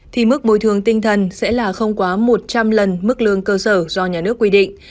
thì mức bồi thường tinh thần sẽ là không quá một trăm linh lần mức lương cơ sở do nhà nước quy định